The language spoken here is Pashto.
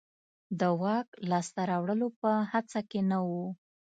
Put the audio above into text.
د واک لاسته راوړلو په هڅه کې نه و.